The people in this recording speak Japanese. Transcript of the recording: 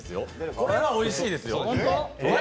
これはおいしいですよ。